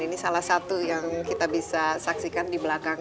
ini salah satu yang kita bisa saksikan di belakang